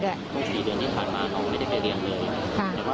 ๖หรือนี่ไม่ได้ไปเรียนเลย